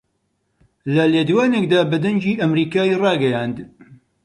لە لێدوانێکدا بە دەنگی ئەمەریکای ڕاگەیاند